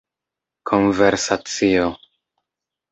konversacio